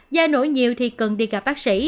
da nổi nhiều thì cần đi gặp bác sĩ